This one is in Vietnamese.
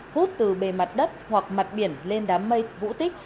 hút từ bề mặt đất hoặc mặt biển lên đám mây vũ tích